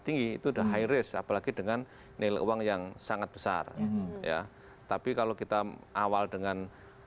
tinggi itu udah high risk apalagi dengan nilai uang yang sangat besar ya tapi kalau kita awal dengan